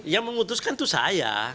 yang memutuskan itu saya